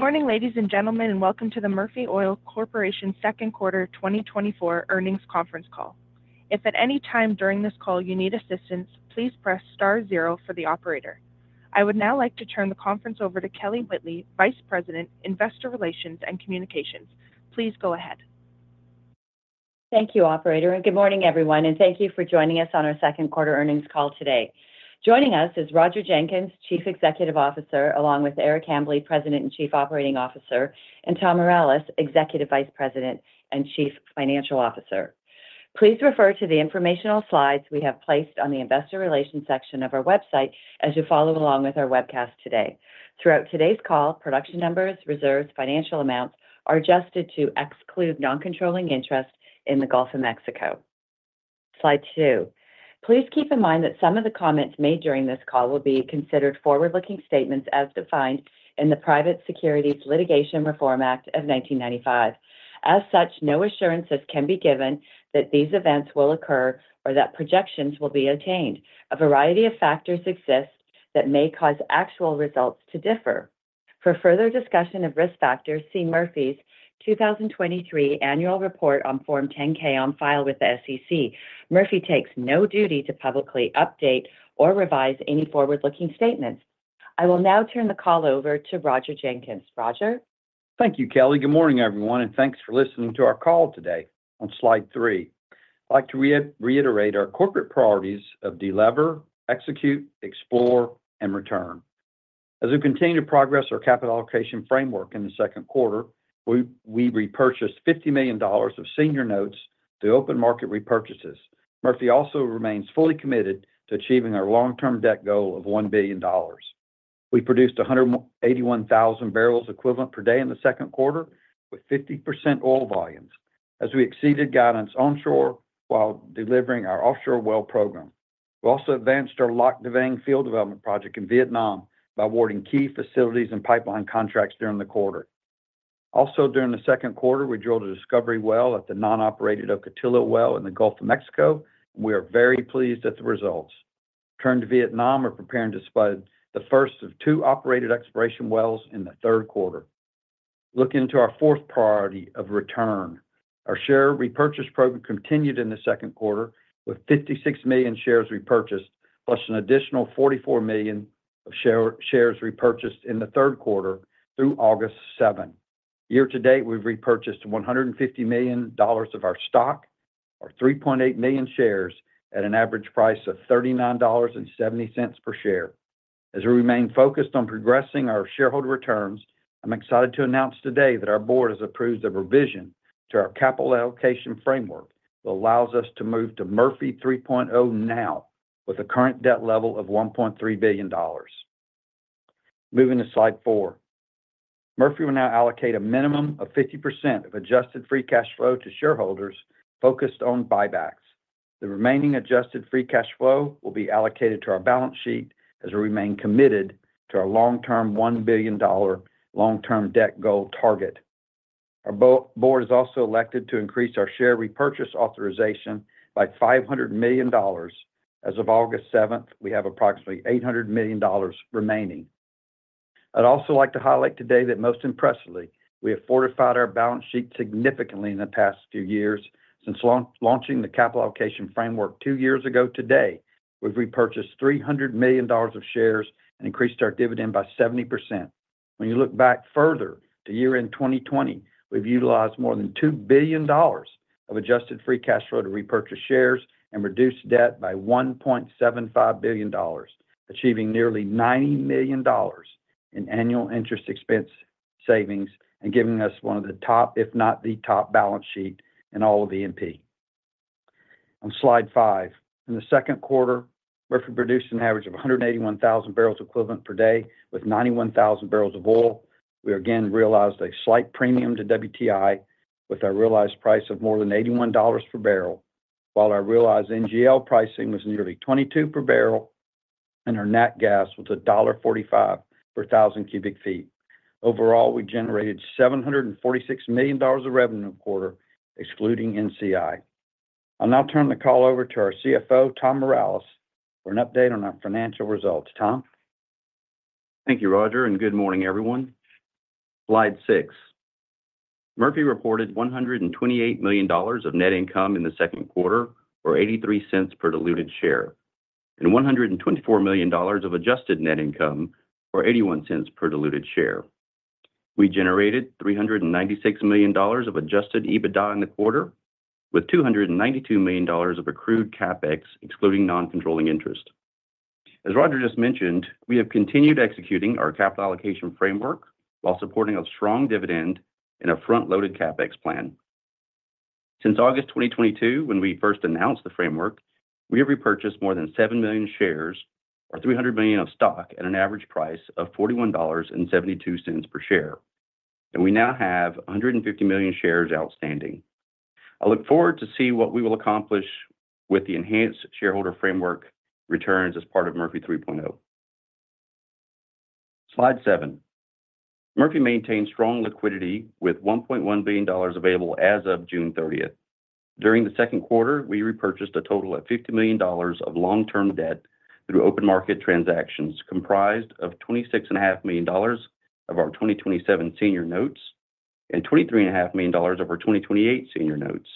Good morning, ladies and gentlemen, and welcome to the Murphy Oil Corporation Second Quarter 2024 Earnings Conference Call. If at any time during this call you need assistance, please press star zero for the operator. I would now like to turn the conference over to Kelly Whitley, Vice President, Investor Relations and Communications. Please go ahead. Thank you, operator, and good morning everyone, and thank you for joining us on our second quarter earnings call today. Joining us is Roger Jenkins, Chief Executive Officer, along with Eric Hambly, President and Chief Operating Officer, and Tom Mireles, Executive Vice President and Chief Financial Officer. Please refer to the informational slides we have placed on the Investor Relations section of our website as you follow along with our webcast today. Throughout today's call, production numbers, reserves, financial amounts are adjusted to exclude non-controlling interest in the Gulf of Mexico. Slide two. Please keep in mind that some of the comments made during this call will be considered forward-looking statements as defined in the Private Securities Litigation Reform Act of 1995. As such, no assurances can be given that these events will occur or that projections will be attained. A variety of factors exist that may cause actual results to differ. For further discussion of risk factors, see Murphy's 2023 Annual Report on Form 10-K on file with the SEC. Murphy takes no duty to publicly update or revise any forward-looking statements. I will now turn the call over to Roger Jenkins. Roger? Thank you, Kelly. Good morning, everyone, and thanks for listening to our call today. On slide three, I'd like to reiterate our corporate priorities of de-lever, execute, explore, and return. As we continue to progress our capital allocation framework in the second quarter, we repurchased $50 million of senior notes through open market repurchases. Murphy also remains fully committed to achieving our long-term debt goal of $1 billion. We produced 181,000 barrels equivalent per day in the second quarter, with 50% oil volumes, as we exceeded guidance onshore while delivering our offshore well program. We also advanced our Lạc Đà Vàng field development project in Vietnam by awarding key facilities and pipeline contracts during the quarter. Also, during the second quarter, we drilled a discovery well at the non-operated Ocotillo well in the Gulf of Mexico. We are very pleased at the results. Turning to Vietnam, we're preparing to spud the first of two operated exploration wells in the third quarter. Looking to our fourth priority of return, our share repurchase program continued in the second quarter, with 56 million shares repurchased, plus an additional 44 million shares repurchased in the third quarter through August 7. Year to date, we've repurchased $150 million of our stock, or 3.8 million shares, at an average price of $39.70 per share. As we remain focused on progressing our shareholder returns, I'm excited to announce today that our board has approved a revision to our capital allocation framework that allows us to move to Murphy 3.0 now, with a current debt level of $1.3 billion. Moving to slide four. Murphy will now allocate a minimum of 50% of Adjusted Free Cash Flow to shareholders focused on buybacks. The remaining Adjusted Free Cash Flow will be allocated to our balance sheet as we remain committed to our long-term $1 billion long-term debt goal target. Our board has also elected to increase our share repurchase authorization by $500 million. As of August 7, we have approximately $800 million remaining. I'd also like to highlight today that most impressively, we have fortified our balance sheet significantly in the past few years. Since launching the capital allocation framework two years ago today, we've repurchased $300 million of shares and increased our dividend by 70%. When you look back further to year-end 2020, we've utilized more than $2 billion of adjusted free cash flow to repurchase shares and reduce debt by $1.75 billion, achieving nearly $90 million in annual interest expense savings and giving us one of the top, if not the top, balance sheet in all of E&P. On slide five, in the second quarter, Murphy produced an average of 181,000 BOE per day with 91,000 barrels of oil. We again realized a slight premium to WTI, with our realized price of more than $81 per barrel. While our realized NGL pricing was nearly $22 per barrel, and our natural gas was $1.45 per thousand cu ft. Overall, we generated $746 million of revenue in the quarter, excluding NCI. I'll now turn the call over to our CFO, Tom Mireles, for an update on our financial results. Tom? Thank you, Roger, and good morning, everyone. Slide six. Murphy reported $128 million of net income in the second quarter, or $0.83 per diluted share, and $124 million of adjusted net income, or $0.81 per diluted share. We generated $396 million of adjusted EBITDA in the quarter, with $292 million of accrued CapEx, excluding non-controlling interest. As Roger just mentioned, we have continued executing our capital allocation framework while supporting a strong dividend and a front-loaded CapEx plan. Since August 2022, when we first announced the framework, we have repurchased more than 7 million shares or $300 million of stock at an average price of $41.72 per share, and we now have 150 million shares outstanding. I look forward to see what we will accomplish with the enhanced shareholder framework returns as part of Murphy 3.0. Slide seven. Murphy maintains strong liquidity with $1.1 billion available as of June 30. During the second quarter, we repurchased a total of $50 million of long-term debt through open market transactions, comprised of $26.5 million of our 2027 senior notes and $23.5 million of our 2028 senior notes.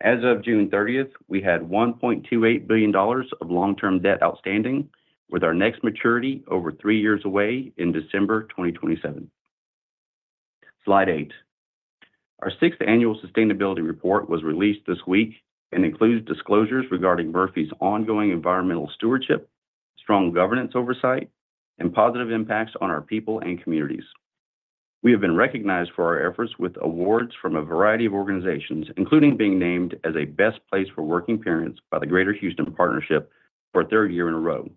As of June 30, we had $1.28 billion of long-term debt outstanding, with our next maturity over three years away in December 2027. Slide eight. Our sixth annual sustainability report was released this week and includes disclosures regarding Murphy's ongoing environmental stewardship, strong governance oversight, and positive impacts on our people and communities. We have been recognized for our efforts with awards from a variety of organizations, including being named as a Best Place for Working Parents by the Greater Houston Partnership for a third year in a row.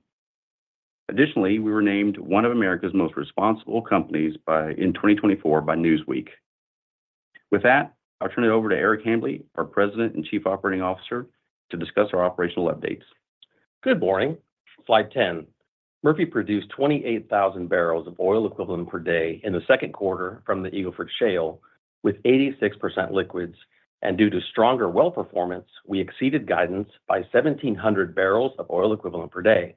Additionally, we were named one of America's Most Responsible Companies by, in 2024, by Newsweek. With that, I'll turn it over to Eric Hambly, our President and Chief Operating Officer, to discuss our operational updates. Good morning. Slide 10. Murphy produced 28,000 barrels of oil equivalent per day in the second quarter from the Eagle Ford Shale, with 86% liquids, and due to stronger well performance, we exceeded guidance by 1,700 barrels of oil equivalent per day.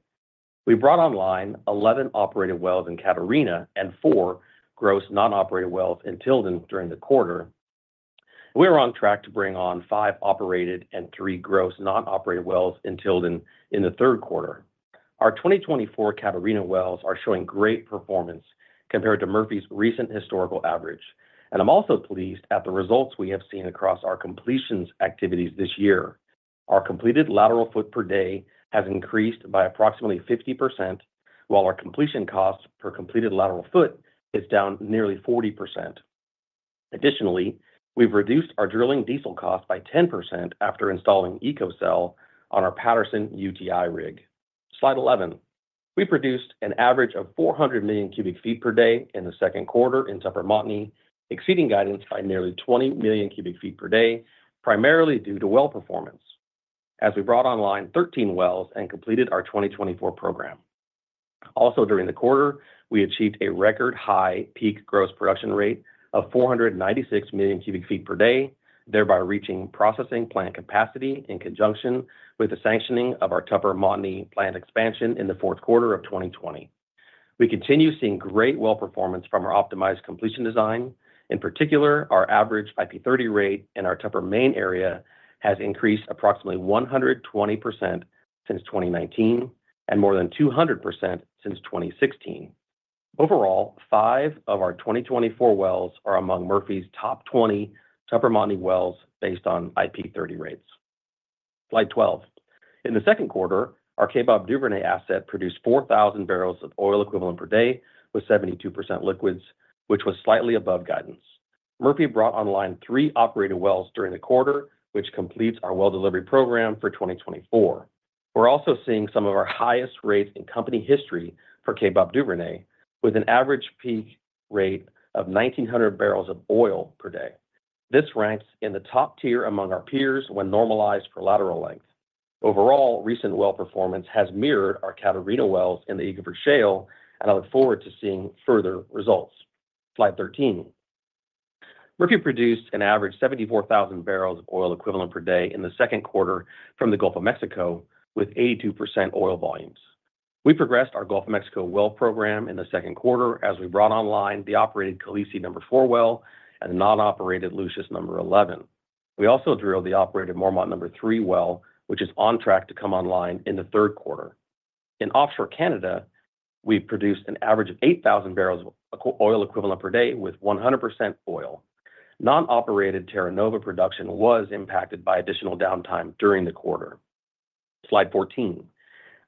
We brought online 11 operated wells in Catarina and four gross non-operated wells in Tilden during the quarter. We are on track to bring on five operated and three gross non-operated wells in Tilden in the third quarter. Our 2024 Catarina wells are showing great performance compared to Murphy's recent historical average, and I'm also pleased at the results we have seen across our completions activities this year. Our completed lateral foot per day has increased by approximately 50%, while our completion cost per completed lateral foot is down nearly 40%. Additionally, we've reduced our drilling diesel cost by 10% after installing EcoCell on our Patterson-UTI rig. Slide 11. We produced an average of 400 million cu ft per day in the second quarter in Tupper Montney, exceeding guidance by nearly 20 million cu ft per day, primarily due to well performance, as we brought online 13 wells and completed our 2024 program. Also, during the quarter, we achieved a record-high peak gross production rate of 496 million cu ft per day, thereby reaching processing plant capacity in conjunction with the sanctioning of our Tupper Montney plant expansion in the fourth quarter of 2020. We continue seeing great well performance from our optimized completion design. In particular, our average IP30 rate in our Tupper Main area has increased approximately 120% since 2019 and more than 200% since 2016. Overall, five of our 2024 wells are among Murphy's top 20 Tupper Montney wells based on IP30 rates. Slide 12. In the second quarter, our Kaybob Duvernay asset produced 4,000 barrels of oil equivalent per day, with 72% liquids, which was slightly above guidance. Murphy brought online three operated wells during the quarter, which completes our well delivery program for 2024. We're also seeing some of our highest rates in company history for Kaybob Duvernay, with an average peak rate of 1,900 barrels of oil per day. This ranks in the top tier among our peers when normalized for lateral length. Overall, recent well performance has mirrored our Catarina wells in the Eagle Ford Shale, and I look forward to seeing further results. Slide 13. Murphy produced an average 74,000 barrels of oil equivalent per day in the second quarter from the Gulf of Mexico, with 82% oil volumes. We progressed our Gulf of Mexico well program in the second quarter as we brought online the operated Khaleesi number four well and the non-operated Lucius number 11. We also drilled the operated Mormont number three well, which is on track to come online in the third quarter. In offshore Canada, we've produced an average of 8,000 barrels of oil equivalent per day with 100% oil. Non-operated Terra Nova production was impacted by additional downtime during the quarter. Slide 14.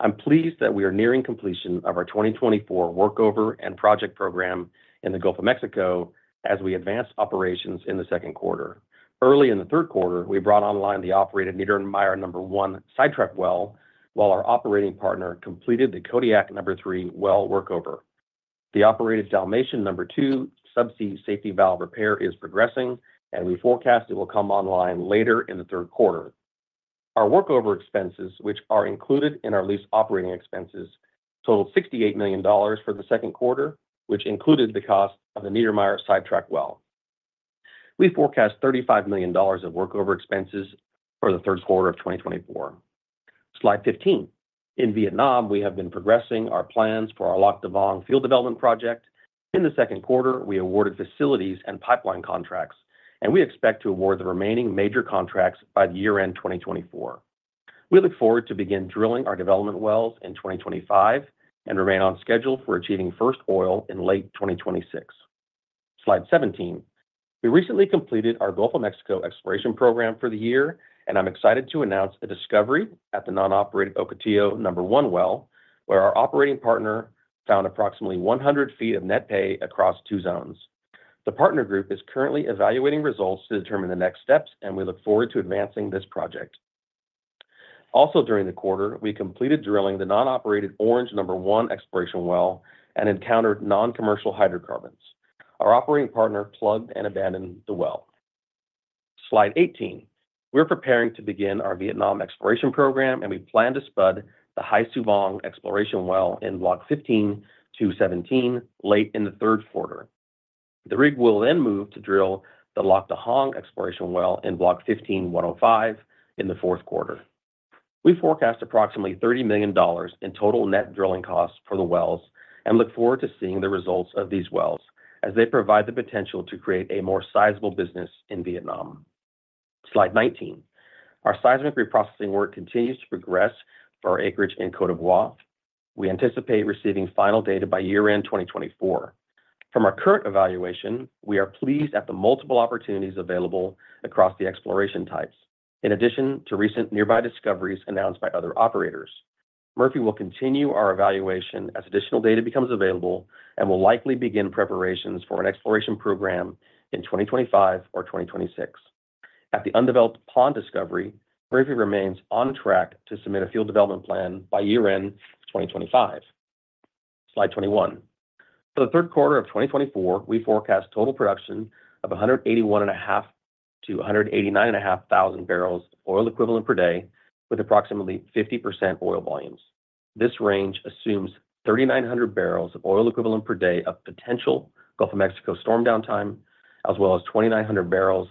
I'm pleased that we are nearing completion of our 2024 workover and project program in the Gulf of Mexico as we advance operations in the second quarter. Early in the third quarter, we brought online the operated Niedermeyer number one sidetrack well, while our operating partner completed the Kodiak number three well workover. The operated Dalmatian number two subsea safety valve repair is progressing, and we forecast it will come online later in the third quarter. Our workover expenses, which are included in our lease operating expenses, totaled $68 million for the second quarter, which included the cost of the Niedermeyer sidetrack well. We forecast $35 million of workover expenses for the third quarter of 2024. Slide 15. In Vietnam, we have been progressing our plans for our Lạc Đà Vàng field development project. In the second quarter, we awarded facilities and pipeline contracts, and we expect to award the remaining major contracts by the year end 2024. We look forward to begin drilling our development wells in 2025 and remain on schedule for achieving first oil in late 2026. Slide 17. We recently completed our Gulf of Mexico exploration program for the year, and I'm excited to announce a discovery at the non-operated Ocotillo number one well, where our operating partner found approximately 100 ft of net pay across two zones. The partner group is currently evaluating results to determine the next steps, and we look forward to advancing this project. Also, during the quarter, we completed drilling the non-operated Orange number one exploration well and encountered non-commercial hydrocarbons. Our operating partner plugged and abandoned the well. Slide 18. We're preparing to begin our Vietnam exploration program, and we plan to spud the Hải Sư Vàng exploration well in Block 15-2/17 late in the third quarter. The rig will then move to drill the Lạc Đà Hồng exploration well in Block 15-1/05 in the fourth quarter. We forecast approximately $30 million in total net drilling costs for the wells, and look forward to seeing the results of these wells as they provide the potential to create a more sizable business in Vietnam. Slide 19. Our seismic reprocessing work continues to progress for our acreage in Côte d'Ivoire. We anticipate receiving final data by year-end 2024. From our current evaluation, we are pleased at the multiple opportunities available across the exploration types. In addition to recent nearby discoveries announced by other operators, Murphy will continue our evaluation as additional data becomes available, and will likely begin preparations for an exploration program in 2025 or 2026. At the undeveloped Paon discovery, Murphy remains on track to submit a field development plan by year-end 2025. Slide 21. For the third quarter of 2024, we forecast total production of 181.5-189.5 thousand barrels of oil equivalent per day, with approximately 50% oil volumes. This range assumes 3,900 barrels of oil equivalent per day of potential Gulf of Mexico storm downtime, as well as 2,900 barrels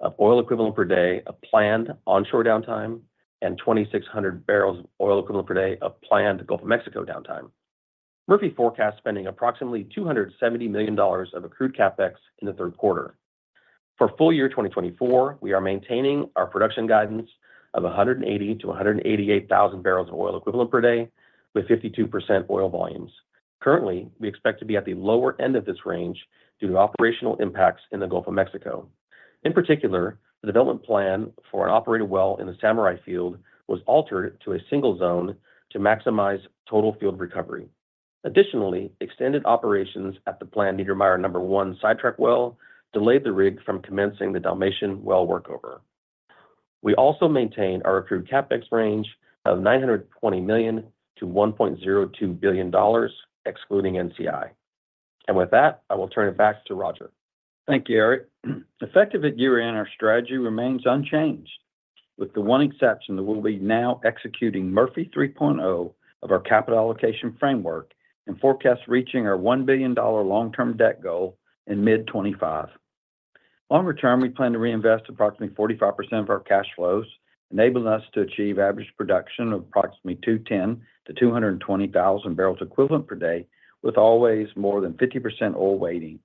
of oil equivalent per day of planned onshore downtime, and 2,600 barrels of oil equivalent per day of planned Gulf of Mexico downtime. Murphy forecast spending approximately $270 million of accrued CapEx in the third quarter. For full year 2024, we are maintaining our production guidance of 180,000-188,000 barrels of oil equivalent per day, with 52% oil volumes. Currently, we expect to be at the lower end of this range due to operational impacts in the Gulf of Mexico. In particular, the development plan for an operated well in the Samurai field was altered to a single zone to maximize total field recovery. Additionally, extended operations at the planned Niedermeyer No. 1 sidetrack well delayed the rig from commencing the Dalmatian well workover. We also maintain our accrued CapEx range of $920 million-$1.02 billion, excluding NCI. With that, I will turn it back to Roger. Thank you, Eric. Effective at year-end, our strategy remains unchanged, with the one exception that we'll be now executing Murphy 3.0 of our capital allocation framework and forecast reaching our $1 billion long-term debt goal in mid-2025. Longer term, we plan to reinvest approximately 45% of our cash flows, enabling us to achieve average production of approximately 210,000-220,000 barrels of oil equivalent per day, with always more than 50% oil weighting.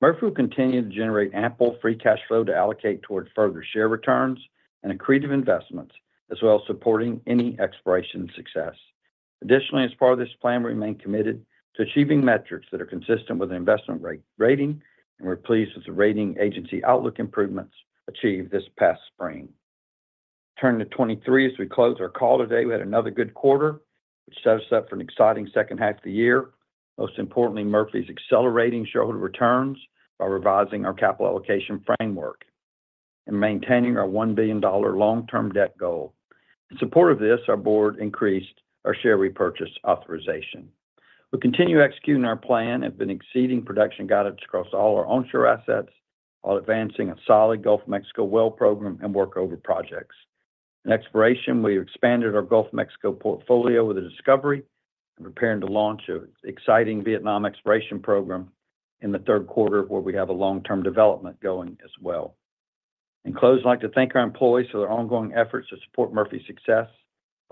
Murphy will continue to generate ample free cash flow to allocate towards further share returns and accretive investments, as well as supporting any exploration success. Additionally, as part of this plan, we remain committed to achieving metrics that are consistent with the investment rating, and we're pleased with the rating agency outlook improvements achieved this past spring. Turning to 2023, as we close our call today, we had another good quarter, which sets us up for an exciting second half of the year. Most importantly, Murphy's accelerating shareholder returns by revising our capital allocation framework and maintaining our $1 billion long-term debt goal. In support of this, our board increased our share repurchase authorization. We continue executing our plan and have been exceeding production guidance across all our onshore assets, while advancing a solid Gulf of Mexico well program and workover projects. In exploration, we expanded our Gulf of Mexico portfolio with a discovery and preparing to launch an exciting Vietnam exploration program in the third quarter, where we have a long-term development going as well. In closing, I'd like to thank our employees for their ongoing efforts to support Murphy's success.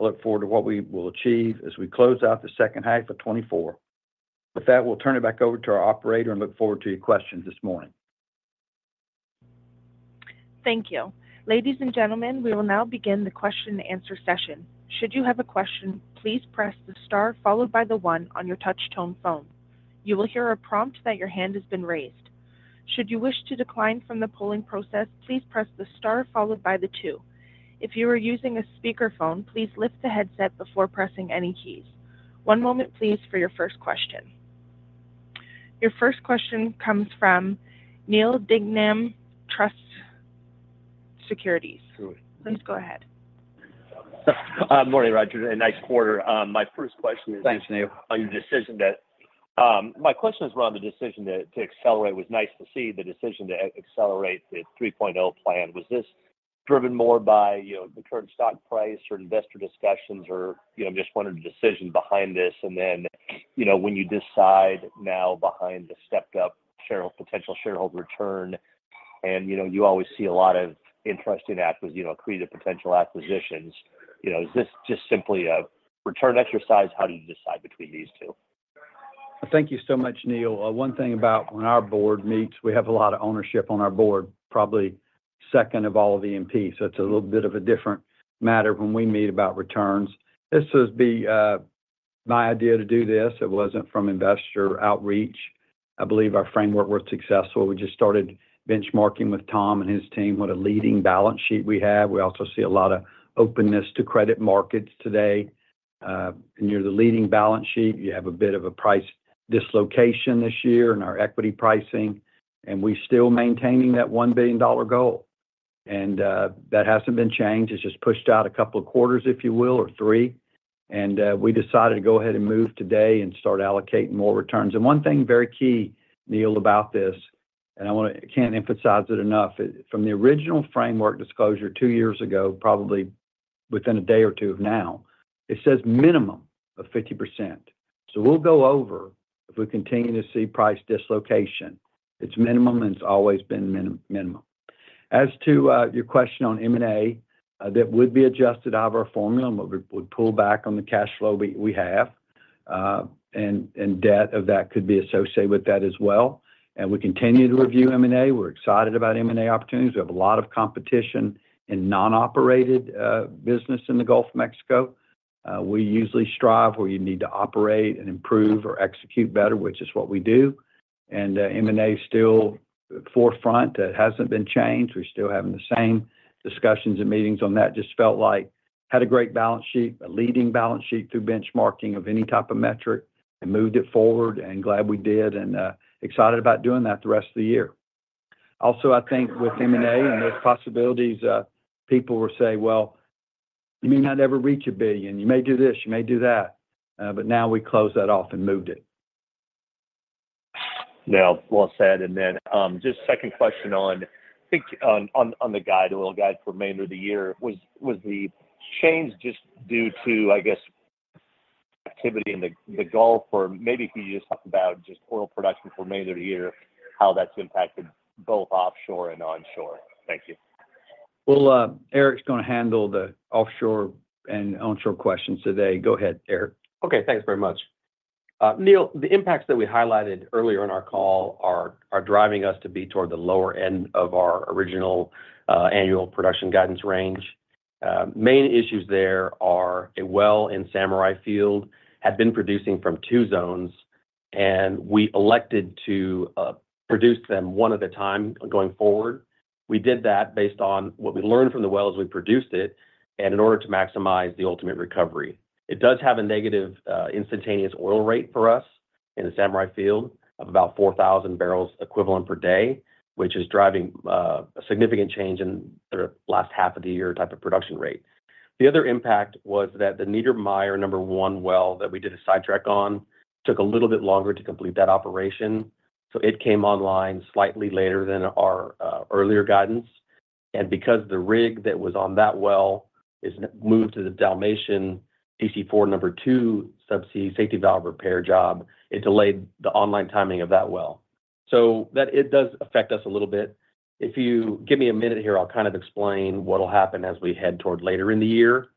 I look forward to what we will achieve as we close out the second half of 2024. With that, we'll turn it back over to our operator and look forward to your questions this morning. Thank you. Ladies and gentlemen, we will now begin the question and answer session. Should you have a question, please press the star followed by the one on your touch tone phone. You will hear a prompt that your hand has been raised. Should you wish to decline from the polling process, please press the star followed by the two. If you are using a speakerphone, please lift the headset before pressing any keys. One moment, please, for your first question. Your first question comes from Neal Dingmann, Truist Securities. Please go ahead. Morning, Roger, and nice quarter. My first question is- Thanks, Neal.... on your decision that, my question is around the decision to accelerate. It was nice to see the decision to accelerate the 3.0 plan. Was this driven more by, you know, the current stock price or investor discussions? Or, you know, I'm just wondering the decision behind this, and then, you know, when you decide now behind the stepped-up potential shareholder return, and, you know, you always see a lot of interest in acquisitions, accretive potential acquisitions. You know, is this just simply a return exercise? How do you decide between these two? Thank you so much, Neal. One thing about when our board meets, we have a lot of ownership on our board, probably second of all the E&P. So it's a little bit of a different matter when we meet about returns. This was the, my idea to do this. It wasn't from investor outreach. I believe our framework was successful. We just started benchmarking with Tom and his team what a leading balance sheet we have. We also see a lot of openness to credit markets today. And you're the leading balance sheet. You have a bit of a price dislocation this year in our equity pricing, and we're still maintaining that $1 billion goal, and that hasn't been changed. It's just pushed out a couple of quarters, if you will, or three, and we decided to go ahead and move today and start allocating more returns. And one thing, very key, Neal, about this, and I wanna—I can't emphasize it enough, from the original framework disclosure two years ago within a day or two of now. It says minimum of 50%, so we'll go over if we continue to see price dislocation. It's minimum, and it's always been minimum. As to your question on M&A, that would be adjusted out of our formula, and we would pull back on the cash flow we have. And debt of that could be associated with that as well. And we continue to review M&A. We're excited about M&A opportunities. We have a lot of competition in non-operated business in the Gulf of Mexico. We usually strive where you need to operate and improve or execute better, which is what we do, and M&A is still forefront. That hasn't been changed. We're still having the same discussions and meetings on that. Just felt like had a great balance sheet, a leading balance sheet through benchmarking of any type of metric, and moved it forward, and glad we did, and excited about doing that the rest of the year. Also, I think with M&A and those possibilities, people will say, "Well, you may not ever reach $1 billion. You may do this, you may do that," but now we closed that off and moved it. Now, well said. And then, just second question on, I think, the guide, oil guide for remainder of the year. Was the change just due to, I guess, activity in the Gulf? Or maybe if you could just talk about just oil production for remainder of the year, how that's impacted both offshore and onshore. Thank you. Well, Eric's gonna handle the offshore and onshore questions today. Go ahead, Eric. Okay. Thanks very much. Neal, the impacts that we highlighted earlier in our call are driving us to be toward the lower end of our original annual production guidance range. Main issues there are a well in Samurai field had been producing from two zones, and we elected to produce them one at a time going forward. We did that based on what we learned from the well as we produced it, and in order to maximize the ultimate recovery. It does have a negative instantaneous oil rate for us in the Samurai field of about 4,000 barrels equivalent per day, which is driving a significant change in the last half of the year type of production rate. The other impact was that the Niedermeyer No. 1 well that we did a sidetrack on took a little bit longer to complete that operation, so it came online slightly later than our earlier guidance. Because the rig that was on that well is now moved to the Dalmatian DC4 No. 2 subsea safety valve repair job, it delayed the online timing of that well. So that it does affect us a little bit. If you give me a minute here, I'll kind of explain what'll happen as we head toward later in the year.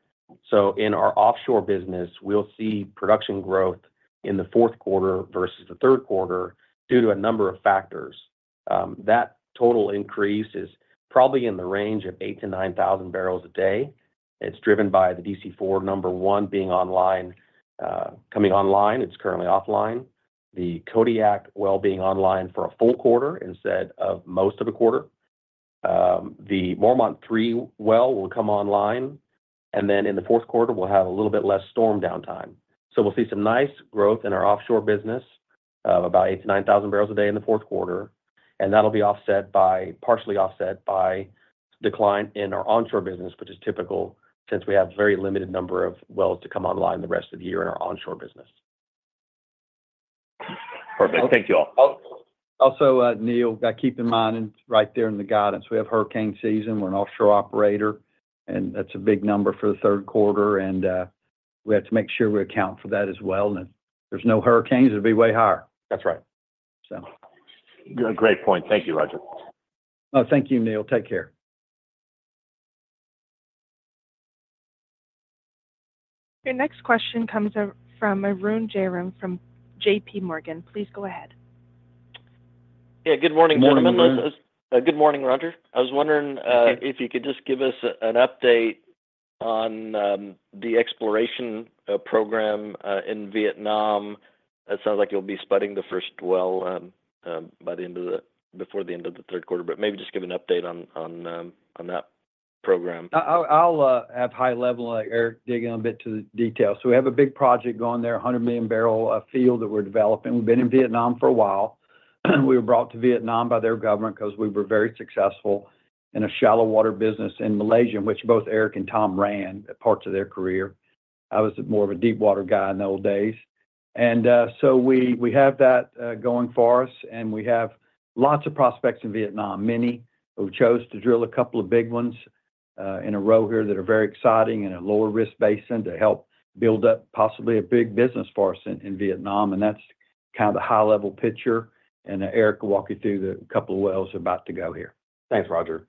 In our offshore business, we'll see production growth in the fourth quarter versus the third quarter due to a number of factors. That total increase is probably in the range of 8,000-9,000 barrels a day. It's driven by the DC4 No. 1 being online, coming online. It's currently offline. The Kodiak well being online for a full quarter instead of most of a quarter. The Mormont Three well will come online, and then in the fourth quarter, we'll have a little bit less storm downtime. So we'll see some nice growth in our offshore business of about 8,000-9,000 barrels a day in the fourth quarter, and that'll be offset by partially offset by decline in our onshore business, which is typical, since we have very limited number of wells to come online the rest of the year in our onshore business. Perfect. Thank you all. Also, Neal, gotta keep in mind, and right there in the guidance, we have hurricane season. We're an offshore operator, and that's a big number for the third quarter, and we have to make sure we account for that as well. And if there's no hurricanes, it'd be way higher. That's right. So. Great point. Thank you, Roger. Oh, thank you, Neal. Take care. Your next question comes from Arun Jayaram from JPMorgan. Please go ahead. Yeah. Good morning, gentlemen. Good morning. Good morning, Roger. I was wondering, Okay.... if you could just give us an update on the exploration program in Vietnam. It sounds like you'll be spudding the first well before the end of the third quarter, but maybe just give an update on that program? I'll have high level, Eric dig in a bit to the details. So we have a big project going there, a 100 million-barrel field that we're developing. We've been in Vietnam for a while. We were brought to Vietnam by their government because we were very successful in a shallow water business in Malaysia, which both Eric and Tom ran parts of their career. I was more of a deep water guy in the old days. So we have that going for us, and we have lots of prospects in Vietnam. Many, we've chose to drill a couple of big ones, in a row here that are very exciting and a lower risk basin to help build up possibly a big business for us in, in Vietnam, and that's kind of the high-level picture, and Eric will walk you through the couple of wells about to go here. Thanks, Roger.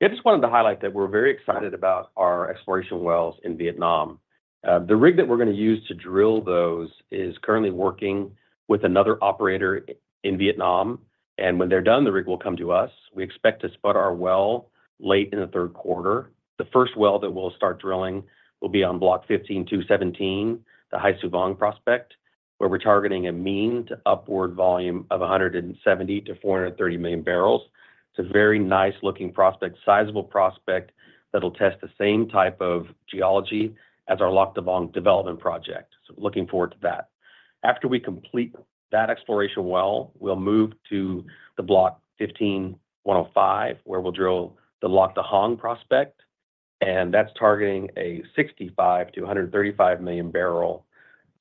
Yeah, I just wanted to highlight that we're very excited about our exploration wells in Vietnam. The rig that we're gonna use to drill those is currently working with another operator in Vietnam, and when they're done, the rig will come to us. We expect to spud our well late in the third quarter. The first well that we'll start drilling will be on Block 15-2/17, the Hải Sư Vàng prospect, where we're targeting a mean to upward volume of 170 million-430 million barrels. It's a very nice-looking prospect, sizable prospect, that'll test the same type of geology as our Lạc Đà Vàng development project. So looking forward to that. After we complete that exploration well, we'll move to the Block 15-1/05, where we'll drill the Lạc Đà Hồng prospect, and that's targeting a 65 million-135 million barrel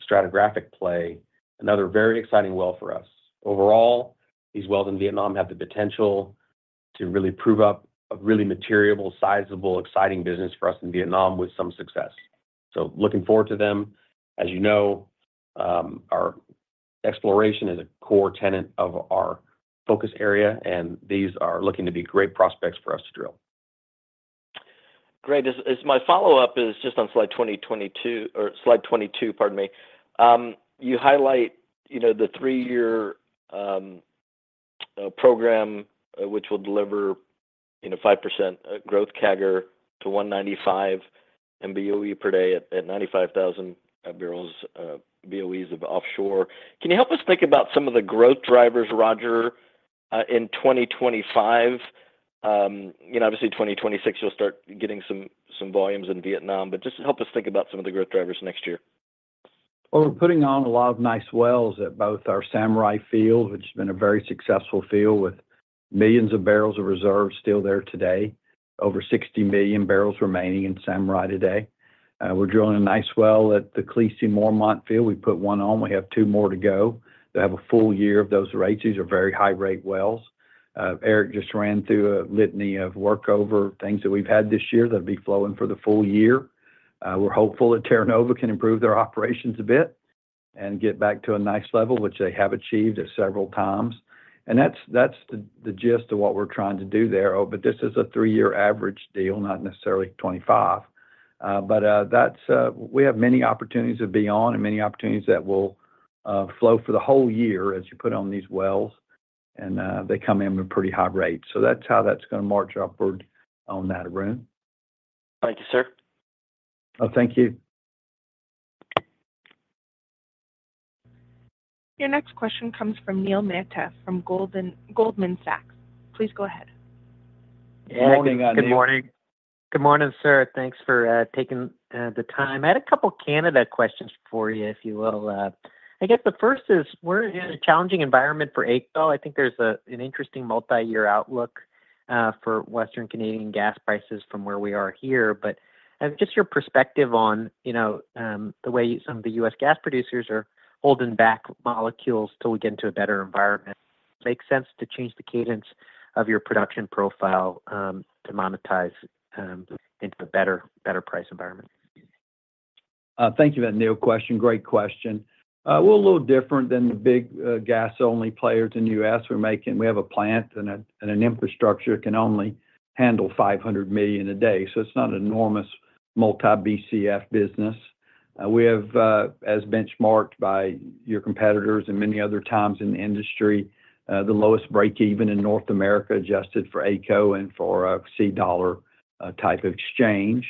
stratigraphic play. Another very exciting well for us. Overall, these wells in Vietnam have the potential to really prove up a really material, sizable, exciting business for us in Vietnam with some success. So looking forward to them. As you know, our exploration is a core tenet of our focus area, and these are looking to be great prospects for us to drill. Great. As my follow-up is just on slide 22 or slide 22, pardon me. You highlight, you know, the three-year program, which will deliver, you know, 5% growth CAGR to 195 MBOE per day at 95,000 barrels BOEs of offshore. Can you help us think about some of the growth drivers, Roger, in 2025? You know, obviously, 2026, you'll start getting some volumes in Vietnam, but just help us think about some of the growth drivers next year. Well, we're putting on a lot of nice wells at both our Samurai field, which has been a very successful field with millions of barrels of reserves still there today. Over 60 million barrels remaining in Samurai today. We're drilling a nice well at the Khaleesi Mormont field. We put one on. We have two more to go. They have a full year of those rates. These are very high-rate wells. Eric just ran through a litany of workover things that we've had this year that'll be flowing for the full year. We're hopeful that Terra Nova can improve their operations a bit and get back to a nice level, which they have achieved at several times. And that's, that's the, the gist of what we're trying to do there. Oh, but this is a three-year average deal, not necessarily 25. But that's, we have many opportunities to be on and many opportunities that will flow for the whole year as you put on these wells, and they come in with pretty high rates. So that's how that's gonna march upward on that front. Thank you, sir. Oh, thank you. Your next question comes from Neil Mehta, from Goldman Sachs. Please go ahead. Morning, Neil. Good morning. Good morning, sir. Thanks for taking the time. I had a couple Canada questions for you, if you will. I guess the first is, we're in a challenging environment for AECO. I think there's an interesting multi-year outlook for Western Canadian gas prices from where we are here. But just your perspective on, you know, the way some of the US gas producers are holding back molecules till we get into a better environment. Make sense to change the cadence of your production profile to monetize into a better, better price environment? Thank you for that, Neil. Question. Great question. We're a little different than the big gas-only players in the U.S. We have a plant and an infrastructure that can only handle 500 million a day, so it's not an enormous multi-BCF business. As benchmarked by your competitors and many other times in the industry, the lowest breakeven in North America, adjusted for AECO and for a Canadian dollar type exchange.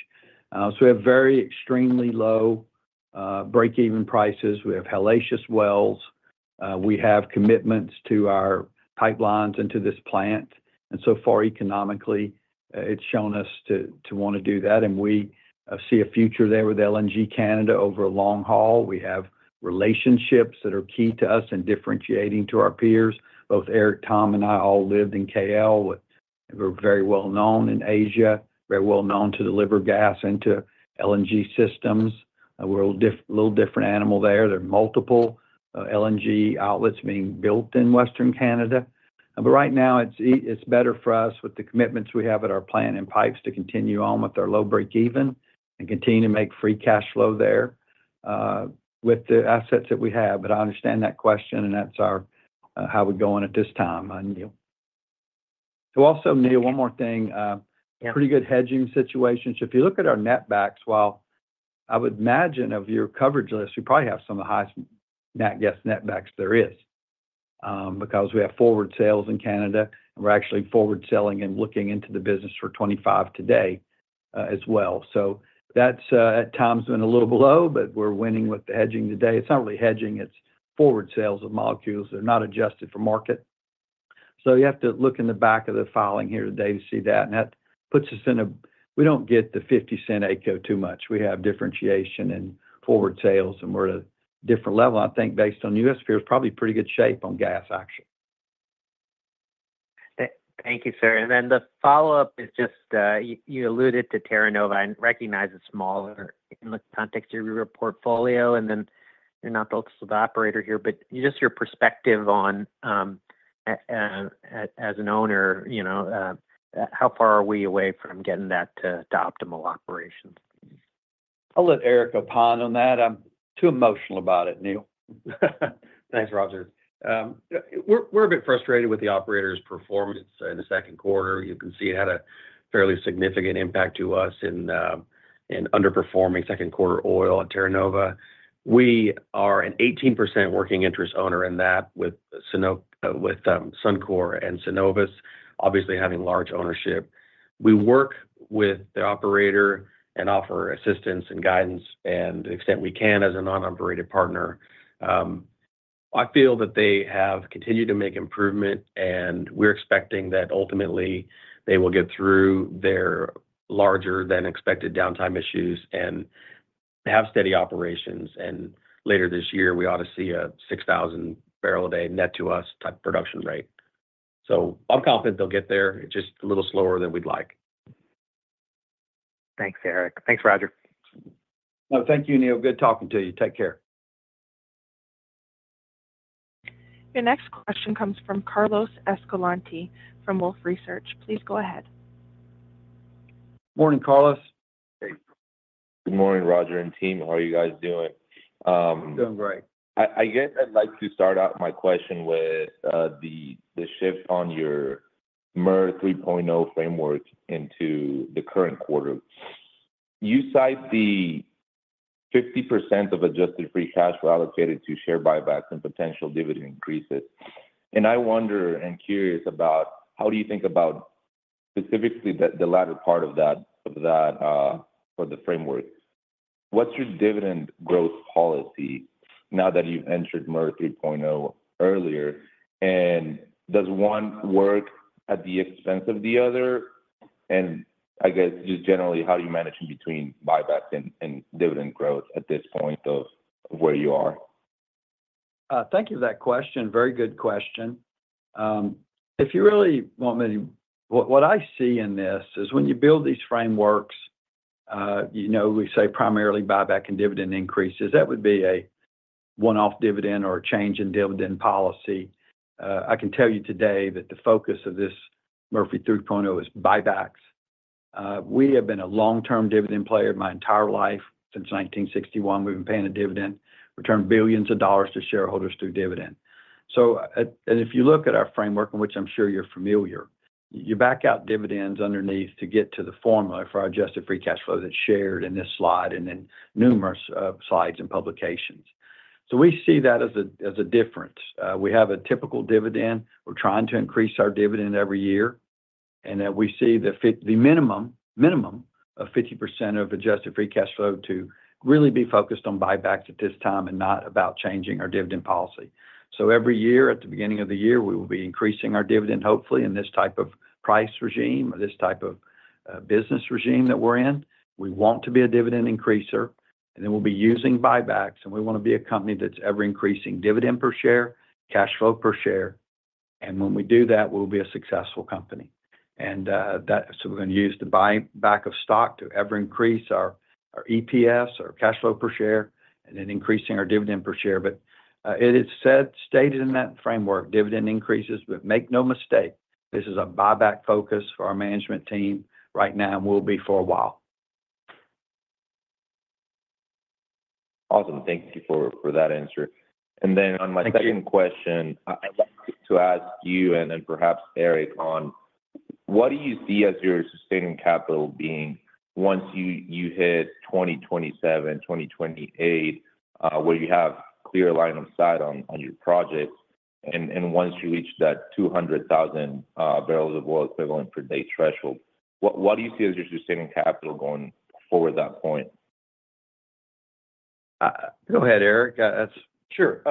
So we have very extremely low breakeven prices. We have hellacious wells. We have commitments to our pipelines into this plant, and so far, economically, it's shown us to wanna do that, and we see a future there with LNG Canada over a long haul. We have relationships that are key to us in differentiating to our peers. Both Eric, Tom, and I all lived in KL. We're very well known in Asia, very well known to deliver gas into LNG systems. We're a little different animal there. There are multiple LNG outlets being built in Western Canada. But right now, it's better for us with the commitments we have at our plant and pipes to continue on with our low breakeven and continue to make free cash flow there with the assets that we have. But I understand that question, and that's our how we're going at this time, Neil. So also, Neil, one more thing. Yeah. Pretty good hedging situation. So if you look at our netbacks, while I would imagine of your coverage list, you probably have some of the highest net gas netbacks there is, because we have forward sales in Canada, and we're actually forward selling and looking into the business for 2025 today, as well. So that's at times been a little below, but we're winning with the hedging today. It's not really hedging; it's forward sales of molecules. They're not adjusted for market. So you have to look in the back of the filing here today to see that, and that puts us in a good position. We don't get the $0.50 AECO too much. We have differentiation in forward sales, and we're at a different level, I think, based on the U.S. peers; probably pretty good shape on gas. Thank you, sir. And then the follow-up is just you alluded to Terra Nova. I recognize it's smaller in the context of your portfolio, and then you're not the operator here, but just your perspective on as an owner, you know, how far are we away from getting that to optimal operations? I'll let Eric opine on that. I'm too emotional about it, Neil. Thanks, Roger. We're a bit frustrated with the operator's performance in the second quarter. You can see it had a fairly significant impact to us in underperforming second quarter oil at Terra Nova. We are an 18% working interest owner in that with Suncor and Cenovus, obviously having large ownership. We work with the operator and offer assistance and guidance, and to the extent we can as a non-operated partner. I feel that they have continued to make improvement, and we're expecting that ultimately they will get through their larger-than-expected downtime issues and have steady operations. And later this year, we ought to see a 6,000 barrel a day net to us type production rate. So I'm confident they'll get there, just a little slower than we'd like. Thanks, Eric. Thanks, Roger. No, thank you, Neil. Good talking to you. Take care.... Your next question comes from Carlos Escalante from Wolfe Research. Please go ahead. Morning, Carlos. Good morning, Roger and team. How are you guys doing? Doing great. I guess I'd like to start out my question with the shift on your Murphy 3.0 framework into the current quarter. You cite the 50% of adjusted free cash flow allocated to share buybacks and potential dividend increases, and I wonder and curious about how do you think about specifically the latter part of that, of that, for the framework? What's your dividend growth policy now that you've entered Murphy 3.0 earlier? And does one work at the expense of the other? And I guess, just generally, how are you managing between buybacks and dividend growth at this point of where you are? Thank you for that question. Very good question. If you really want me—what I see in this is when you build these frameworks, you know, we say primarily buyback and dividend increases, that would be a one-off dividend or a change in dividend policy. I can tell you today that the focus of this Murphy 3.0 is buybacks. We have been a long-term dividend player my entire life. Since 1961, we've been paying a dividend, returned $ billions to shareholders through dividend. So, and if you look at our framework, in which I'm sure you're familiar, you back out dividends underneath to get to the formula for our Adjusted Free Cash Flow that's shared in this slide and in numerous slides and publications. So we see that as a difference. We have a typical dividend. We're trying to increase our dividend every year, and that we see the minimum of 50% of Adjusted Free Cash Flow to really be focused on buybacks at this time and not about changing our dividend policy. So every year, at the beginning of the year, we will be increasing our dividend, hopefully, in this type of price regime or this type of business regime that we're in. We want to be a dividend increaser, and then we'll be using buybacks, and we want to be a company that's ever increasing dividend per share, cash flow per share, and when we do that, we'll be a successful company. And that—so we're going to use the buyback of stock to ever increase our EPS or cash flow per share, and then increasing our dividend per share. But, it is said, stated in that framework, dividend increases. But make no mistake, this is a buyback focus for our management team right now and will be for a while. Awesome. Thank you for that answer. Thank you. On my second question, I'd like to ask you, and then perhaps Eric, on what do you see as your sustaining capital being once you, you hit 2027, 2028, where you have clear line of sight on, on your projects, and, and once you reach that 200,000 barrels of oil equivalent per day threshold? What, what do you see as your sustaining capital going forward at that point? Go ahead, Eric. That's- Sure.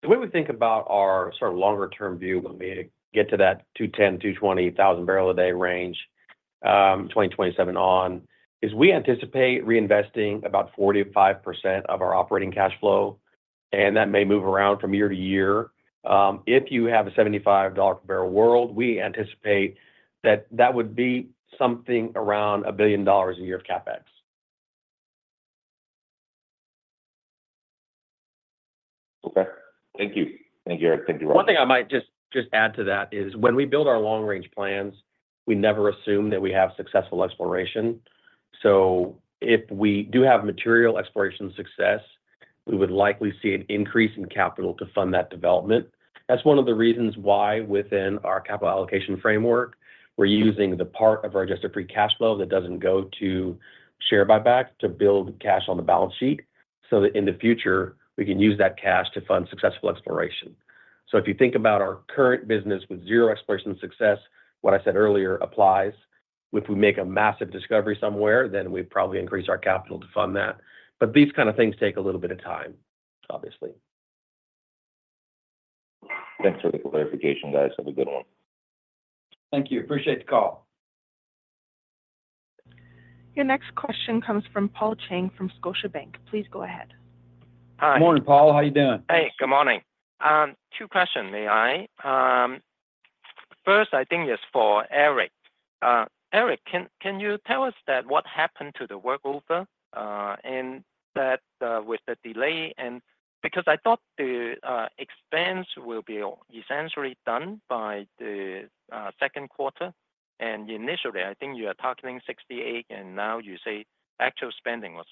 The way we think about our sort of longer-term view when we get to that 210,000-220,000 barrel a day range, 2027 on, is we anticipate reinvesting about 45% of our operating cash flow, and that may move around from year to year. If you have a $75 per barrel world, we anticipate that that would be something around $1 billion a year of CapEx. Okay. Thank you. Thank you, Eric. Thank you, Roger. One thing I might just add to that is when we build our long-range plans, we never assume that we have successful exploration. So if we do have material exploration success, we would likely see an increase in capital to fund that development. That's one of the reasons why, within our capital allocation framework, we're using the part of our adjusted free cash flow that doesn't go to share buybacks to build cash on the balance sheet, so that in the future, we can use that cash to fund successful exploration. So if you think about our current business with zero exploration success, what I said earlier applies. If we make a massive discovery somewhere, then we'd probably increase our capital to fund that. But these kind of things take a little bit of time, obviously. Thanks for the clarification, guys. Have a good one. Thank you. Appreciate the call. Your next question comes from Paul Cheng from Scotiabank. Please go ahead. Hi. Good morning, Paul. How you doing? Hey, good morning. Two questions, may I? First, I think is for Eric. Eric, can you tell us what happened to the workover and that with the delay? And because I thought the expense will be essentially done by the second quarter, and initially, I think you are targeting $68 million, and now you say actual spending was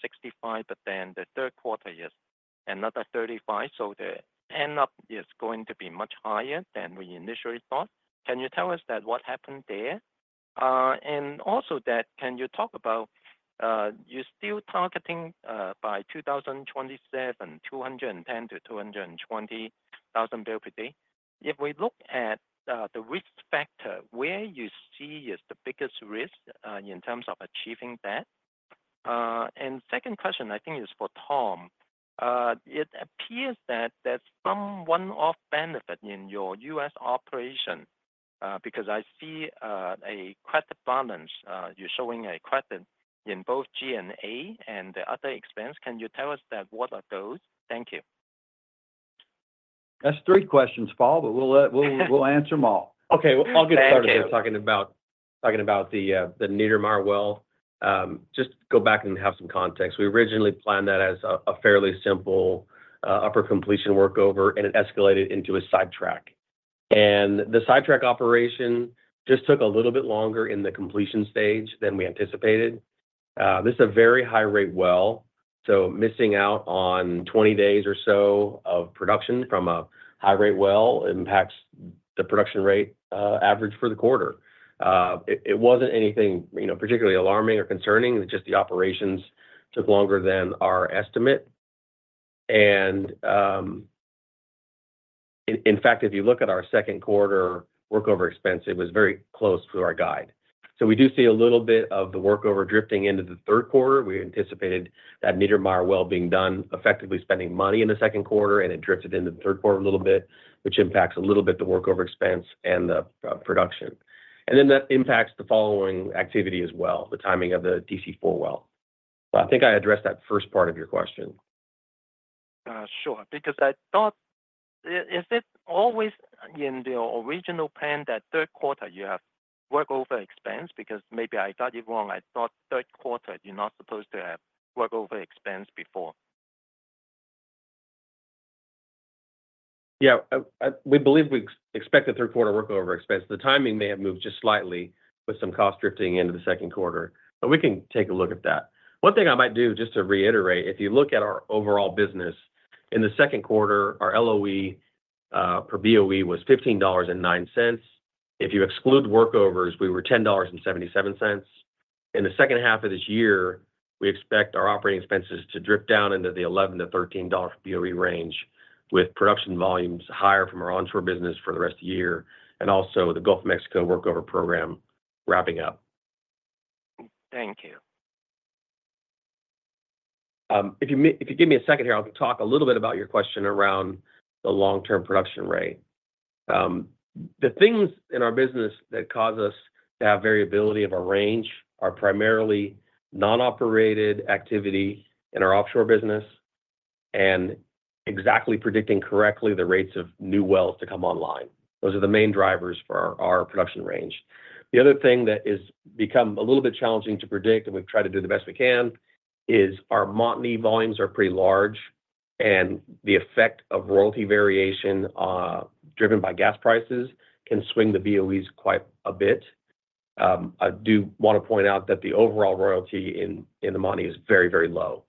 $65 million, but then the third quarter is another $35 million, so the end up is going to be much higher than we initially thought. Can you tell us what happened there? And also, can you talk about, you're still targeting by 2027, 210,000-220,000 barrels per day. If we look at the risk factor, where you see is the biggest risk in terms of achieving that? Second question, I think is for Tom. It appears that there's some one-off benefit in your U.S. operation, because I see a credit balance. You're showing a credit in both G&A and the other expense. Can you tell us that what are those? Thank you. That's three questions, Paul, but we'll answer them all. Okay, I'll get started here talking about the, the Niedermeyer well, just go back and have some context. We originally planned that as a, a fairly simple, upper completion workover, and it escalated into a sidetrack. And the sidetrack operation just took a little bit longer in the completion stage than we anticipated. This is a very high-rate well, so missing out on 20 days or so of production from a high-rate well impacts the production rate, average for the quarter. It, it wasn't anything, you know, particularly alarming or concerning, just the operations took longer than our estimate. And, in, in fact, if you look at our second quarter workover expense, it was very close to our guide. So we do see a little bit of the workover drifting into the third quarter. We anticipated that Niedermeyer well being done, effectively spending money in the second quarter, and it drifted into the third quarter a little bit, which impacts a little bit the workover expense and the production. And then that impacts the following activity as well, the timing of the DC4 well. But I think I addressed that first part of your question. Sure. Because I thought, is it always in the original plan that third quarter you have workover expense? Because maybe I got it wrong. I thought third quarter, you're not supposed to have workover expense before. Yeah. We believe we expect the third quarter workover expense. The timing may have moved just slightly with some cost drifting into the second quarter, but we can take a look at that. One thing I might do, just to reiterate, if you look at our overall business, in the second quarter, our LOE per BOE was $15.09. If you exclude workovers, we were $10.77. In the second half of this year, we expect our operating expenses to drift down into the $11-$13/BOE range, with production volumes higher from our onshore business for the rest of the year, and also the Gulf of Mexico workover program wrapping up. Thank you. If you give me a second here, I'll talk a little bit about your question around the long-term production rate. The things in our business that cause us to have variability of our range are primarily non-operated activity in our offshore business and exactly predicting correctly the rates of new wells to come online. Those are the main drivers for our, our production range. The other thing that is become a little bit challenging to predict, and we've tried to do the best we can, is our Montney volumes are pretty large, and the effect of royalty variation, driven by gas prices, can swing the BOEs quite a bit. I do want to point out that the overall royalty in, in the Montney is very, very low.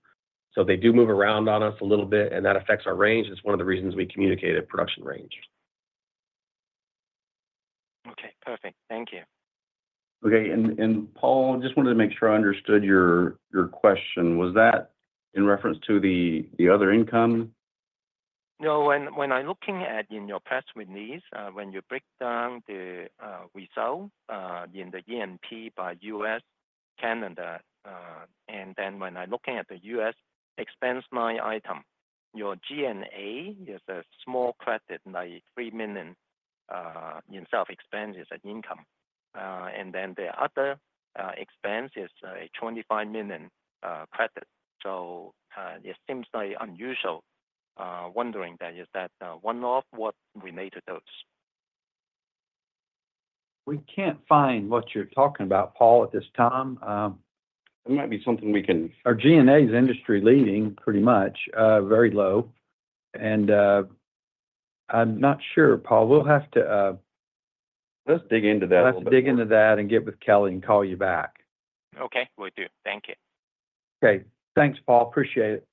So they do move around on us a little bit, and that affects our range. It's one of the reasons we communicate a production range. Okay, perfect. Thank you. Okay, Paul, just wanted to make sure I understood your question. Was that in reference to the other income? No, when I'm looking at in your press release, when you break down the result in the G&A by U.S., Canada, and then when I'm looking at the U.S. expense line item, your G&A is a small credit, like $3 million, in selling expenses and income. And then the other expense is a $25 million credit. So it seems very unusual, wondering then, is that one-off? What related those? We can't find what you're talking about, Paul, at this time. It might be something we can- Our G&A is industry leading, pretty much, very low. I'm not sure, Paul, we'll have to, Let's dig into that a little bit. Let's dig into that and get with Kelly and call you back. Okay, will do. Thank you. Okay. Thanks, Paul. Appreciate it.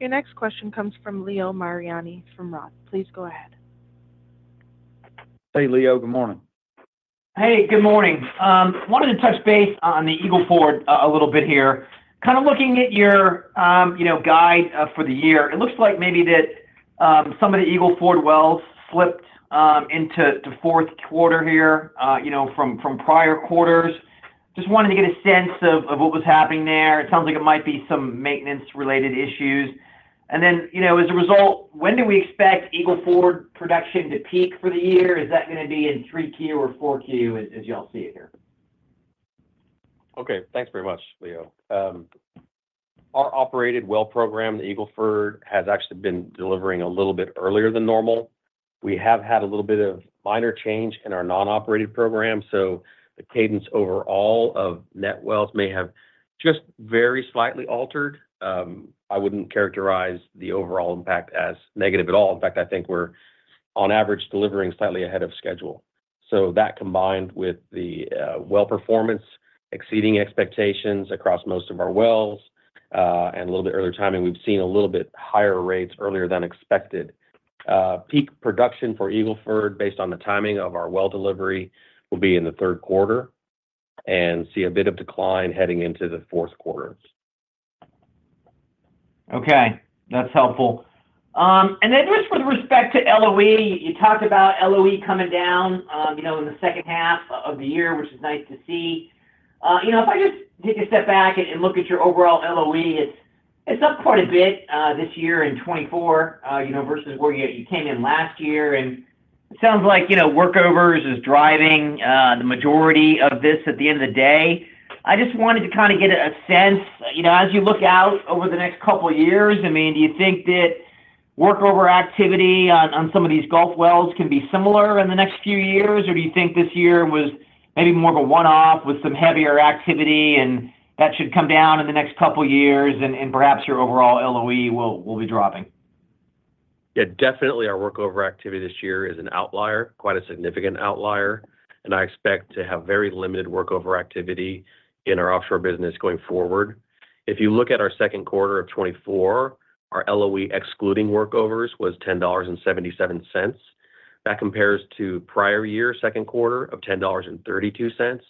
Your next question comes from Leo Mariani from Roth. Please go ahead. Hey, Leo, good morning. Hey, good morning. Wanted to touch base on the Eagle Ford, a little bit here. Kinda looking at your, you know, guide, for the year, it looks like maybe that some of the Eagle Ford wells slipped, into the fourth quarter here, you know, from prior quarters. Just wanted to get a sense of what was happening there. It sounds like it might be some maintenance-related issues. And then, you know, as a result, when do we expect Eagle Ford production to peak for the year? Is that gonna be in 3Q or 4Q, as you all see it here? Okay. Thanks very much, Leo. Our operated well program, the Eagle Ford, has actually been delivering a little bit earlier than normal. We have had a little bit of minor change in our non-operated program, so the cadence overall of net wells may have just very slightly altered. I wouldn't characterize the overall impact as negative at all. In fact, I think we're, on average, delivering slightly ahead of schedule. So that, combined with the well performance, exceeding expectations across most of our wells, and a little bit earlier timing, we've seen a little bit higher rates earlier than expected. Peak production for Eagle Ford, based on the timing of our well delivery, will be in the third quarter and see a bit of decline heading into the fourth quarter. Okay, that's helpful. And then just with respect to LOE, you talked about LOE coming down, you know, in the second half of the year, which is nice to see. You know, if I just take a step back and look at your overall LOE, it's up quite a bit this year in 2024, you know, versus where you came in last year. And it sounds like, you know, workovers is driving the majority of this at the end of the day. I just wanted to kind of get a sense, you know, as you look out over the next couple of years, I mean, do you think that workover activity on some of these Gulf wells can be similar in the next few years? Or do you think this year was maybe more of a one-off with some heavier activity, and that should come down in the next couple of years, and perhaps your overall LOE will be dropping? Yeah, definitely our workover activity this year is an outlier, quite a significant outlier, and I expect to have very limited workover activity in our offshore business going forward. If you look at our second quarter of 2024, our LOE, excluding workovers, was $10.77. That compares to prior year second quarter of $10.32,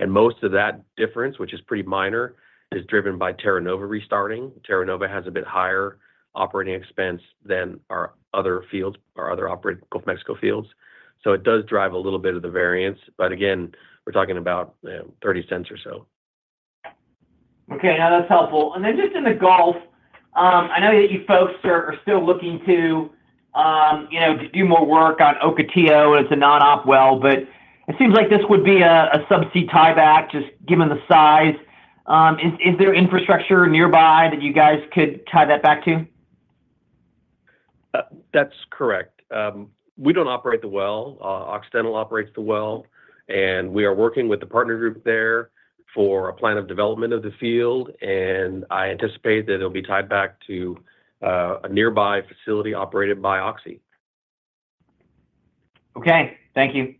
and most of that difference, which is pretty minor, is driven by Terra Nova restarting. Terra Nova has a bit higher operating expense than our other fields, our other operated Gulf of Mexico fields. So it does drive a little bit of the variance, but again, we're talking about, 30 cents or so. Okay, now that's helpful. And then just in the Gulf, I know that you folks are still looking to, you know, to do more work on Ocotillo as a non-op well, but it seems like this would be a subsea tieback, just given the size. Is there infrastructure nearby that you guys could tie that back to? That's correct. We don't operate the well. Occidental operates the well, and we are working with the partner group there for a plan of development of the field, and I anticipate that it'll be tied back to a nearby facility operated by Oxy. Okay. Thank you.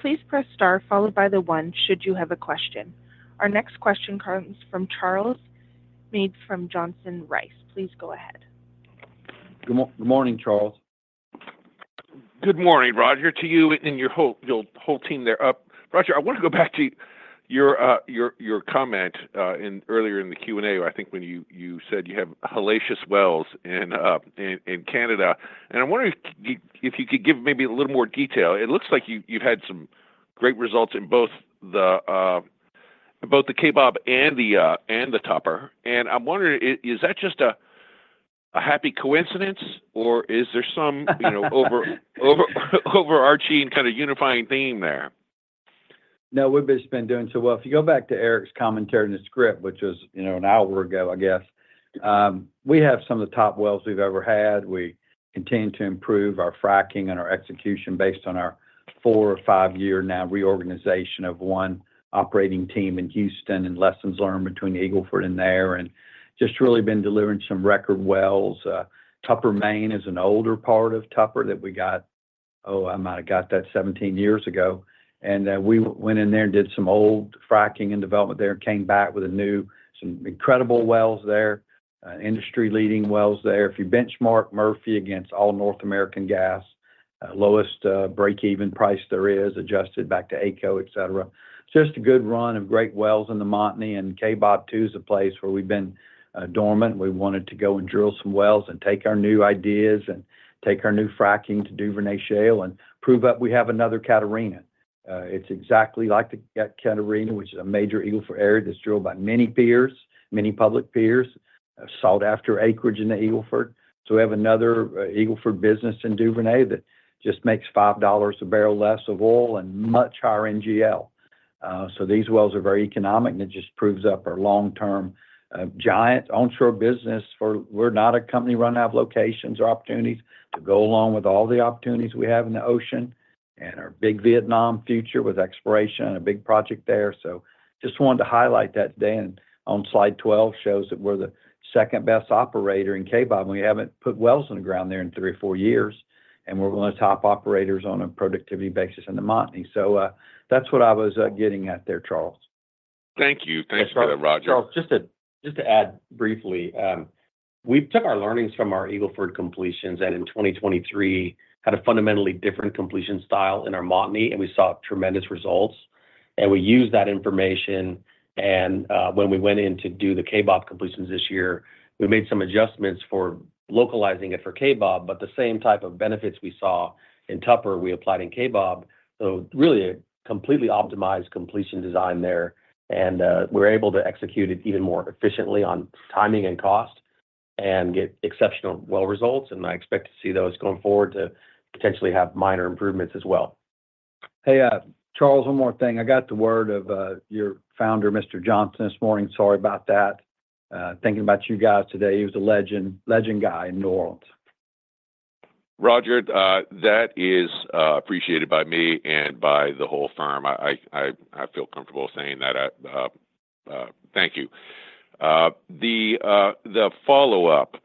Please press star followed by the one, should you have a question. Our next question comes from Charles Meade from Johnson Rice. Please go ahead. Good morning, Charles. Good morning, Roger, to you and your whole team up there. Roger, I want to go back to your comment earlier in the Q&A, where I think when you said you have hellacious wells in Canada. And I'm wondering if you could give maybe a little more detail. It looks like you've had some great results in both the Kaybob and the Tupper. And I'm wondering, is that just a happy coincidence, or is there something you know, overarching kind of unifying theme there? No, we've just been doing so well. If you go back to Eric's commentary in the script, which was, you know, an hour ago, I guess, we have some of the top wells we've ever had. We continue to improve our fracking and our execution based on our four or five year now reorganization of one operating team in Houston and lessons learned between Eagle Ford and there, and just really been delivering some record wells. Tupper Main is an older part of Tupper that we got. Oh, I might have got that 17 years ago, and, we went in there and did some old fracking and development there and came back with a new, some incredible wells there, industry-leading wells there. If you benchmark Murphy against all North American gas, lowest, break-even price there is, adjusted back to AECO, et cetera. Just a good run of great wells in the Montney, and Kaybob too is a place where we've been dormant. We wanted to go and drill some wells and take our new ideas and take our new fracking to Duvernay Shale and prove that we have another Catarina. It's exactly like the Catarina, which is a major Eagle Ford area that's drilled by many peers, many public peers, sought after acreage in the Eagle Ford. So we have another Eagle Ford business in Duvernay that just makes $5 a barrel less of oil and much higher NGL. So these wells are very economic, and it just proves up our long-term giant onshore business, for we're not a company running out of locations or opportunities. To go along with all the opportunities we have in the ocean and our big Vietnam future with exploration and a big project there. So just wanted to highlight that today, and on slide 12 shows that we're the second-best operator in Kaybob, and we haven't put wells in the ground there in three or four years, and we're one of the top operators on a productivity basis in the Montney. So, that's what I was getting at there, Charles. Thank you. Thanks for that, Roger. Charles, just to, just to add briefly, we took our learnings from our Eagle Ford completions, and in 2023, had a fundamentally different completion style in our Montney, and we saw tremendous results. We used that information, and when we went in to do the Kaybob completions this year, we made some adjustments for localizing it for Kaybob, but the same type of benefits we saw in Tupper, we applied in Kaybob. So really, a completely optimized completion design there, and we're able to execute it even more efficiently on timing and cost and get exceptional well results. I expect to see those going forward to potentially have minor improvements as well. Hey, Charles, one more thing. I got the word of your founder, Mr. Johnson, this morning. Sorry about that. Thinking about you guys today. He was a legend, legend guy in New Orleans. Roger, that is appreciated by me and by the whole firm. I feel comfortable saying that. Thank you. The follow-up,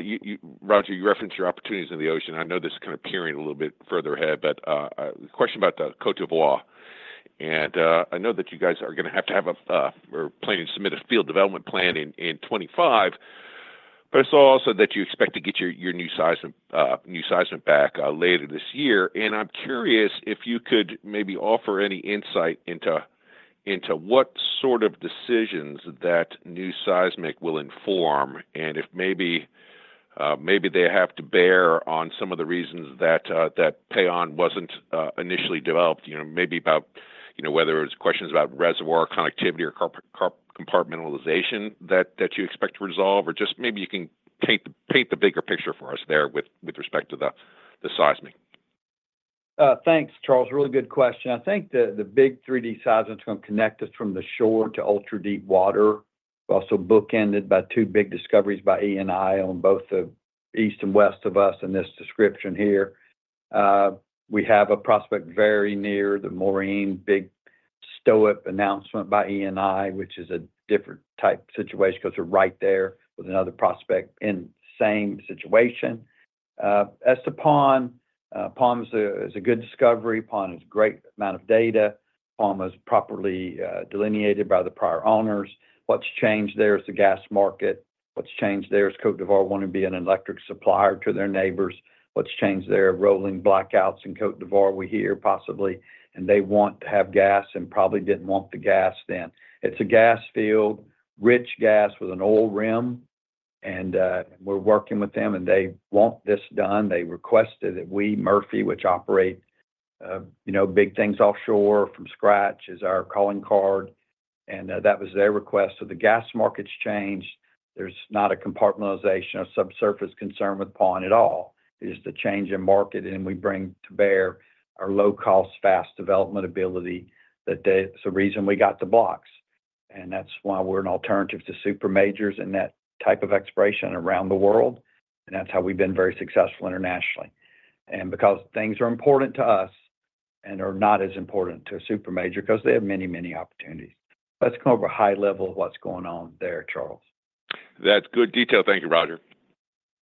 you, Roger, you referenced your opportunities in the ocean. I know this is kind of peering a little bit further ahead, but question about the Côte d'Ivoire. I know that you guys are gonna have to have a or planning to submit a field development plan in 2025, but I saw also that you expect to get your new seismic back later this year. I'm curious if you could maybe offer any insight into what sort of decisions that new seismic will inform, and if maybe they have to bear on some of the reasons that Paon wasn't initially developed, you know, maybe about whether it's questions about reservoir connectivity or compartmentalization that you expect to resolve, or just maybe you can paint the bigger picture for us there with respect to the seismic? Thanks, Charles. Really good question. I think the big 3D seismic is gonna connect us from the shore to ultra-deep water, also bookended by two big discoveries by Eni on both the east and west of us in this description here. We have a prospect very near the Murene discovery announcement by Eni, which is a different type of situation 'cause we're right there with another prospect in same situation. As to Paon, Paon is a good discovery. Paon is a great amount of data. Paon was properly delineated by the prior owners. What's changed there is the gas market. What's changed there is Côte d'Ivoire want to be an electric supplier to their neighbors. What's changed there? Rolling blackouts in Côte d'Ivoire we hear possibly, and they want to have gas and probably didn't want the gas then. It's a gas field, rich gas with an oil rim, and we're working with them, and they want this done. They requested that we, Murphy, which operate, you know, big things offshore from scratch, is our calling card, and that was their request. So the gas market's changed. There's not a compartmentalization or subsurface concern with Paon at all. It is the change in market, and we bring to bear our low cost, fast development ability. It's the reason we got the blocks, and that's why we're an alternative to super majors in that type of exploration around the world, and that's how we've been very successful internationally. And because things are important to us and are not as important to a super major, 'cause they have many, many opportunities. That's kind of a high level of what's going on there, Charles. That's good detail. Thank you, Roger.